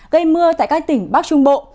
gây mưa tại các tỉnh bắc trung bộ